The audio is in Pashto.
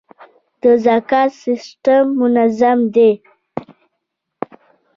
د زکات سیستم منظم دی؟